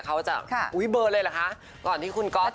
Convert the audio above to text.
เขาจะอุ๊ยเบอร์เลยเหรอคะก่อนที่คุณก๊อฟ